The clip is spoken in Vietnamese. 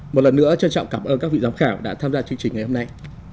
một lần nữa trân trọng cảm ơn các vị giám khảo đã tham gia chương trình ngày hôm nay